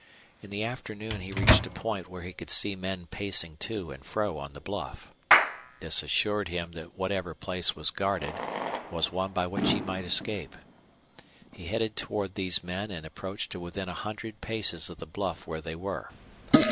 In the afternoon he reached a point where he could see men pacing to and fro on the bluff. This assured him that whatever place was guarded was one by which he might escape. He headed toward these men and approached to within a hundred paces of the bluff where they were.